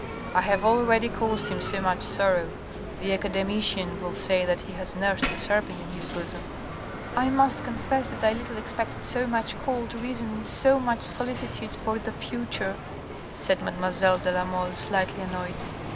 I have already caused him so much sorrow. The academician will say that he has nursed a serpent in his bosom. " I must confess that I little expected so much cold reason and so much solicitude for the future," said mademoiselle de la Mole, slightly annoyed.